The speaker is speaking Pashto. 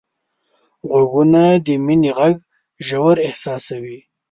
غوږونه د مینې غږ ژور احساسوي